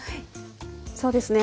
そうですね。